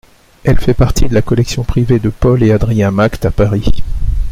Elle fait partie de la collection privée de Paule et Adrien Maeght à Paris.